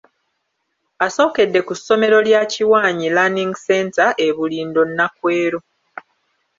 Asookedde ku ssomero lya Kimwanyi Learning Center e Bulindo, Nakwero.